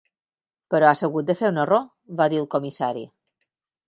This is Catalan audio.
"Però has hagut de fer un error", va dir el Comissari.